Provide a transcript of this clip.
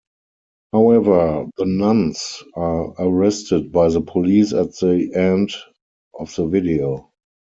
However, the nuns are arrested by the police at the end of the video.